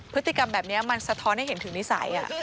พฤติกรรมแบบนี้มันสะท้อนให้เห็นถึงนิสัย